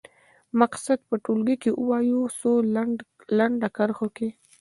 مقصد په ټولګي کې ووايي څو لنډو کرښو کې.